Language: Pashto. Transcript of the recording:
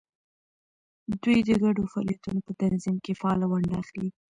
دوی د ګډو فعالیتونو په تنظیم کې فعاله ونډه اخلي.